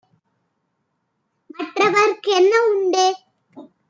மற்றவர்க் கென்னஉண்டு?